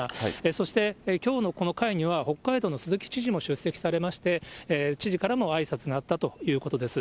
そしてきょうのこの会には、北海道の鈴木知事も出席されまして、知事からもあいさつがあったということです。